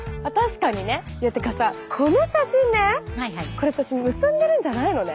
これ私結んでるんじゃないのね。